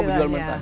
oh oh jual mentah